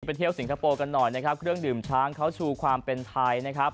เที่ยวสิงคโปร์กันหน่อยนะครับเครื่องดื่มช้างเขาชูความเป็นไทยนะครับ